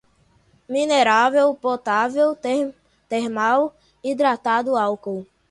minerável, potável, termal, hidratado, álcool